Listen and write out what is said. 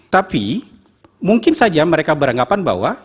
tapi mungkin saja mereka beranggapan bahwa